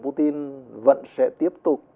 putin vẫn sẽ tiếp tục